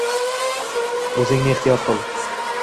O‘zingni ehtiyot qil.